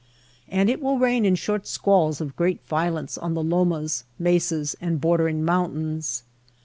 And it will rain in short squalls of great violence on the lomas, mesas, and bordering mountains.